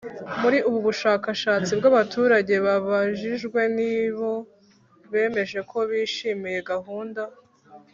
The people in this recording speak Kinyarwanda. Muri ubu bushakashatsi by abaturage babajijwe nibo bemeje ko bishimiye gahunda